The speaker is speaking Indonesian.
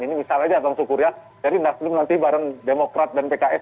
ini misalnya aja bang sukurya jadi nasdem nanti bareng demokrat dan pks